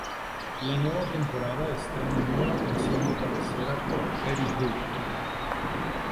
La nueva temporada estrena nueva canción de cabecera por Betty Who.